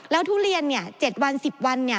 แล้วทุเรียนเนี่ย๗วัน๑๐วันเนี่ย